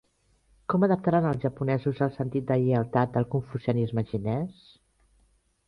Com adaptaran els japonesos el sentit de "lleialtat" del confucianisme xinès?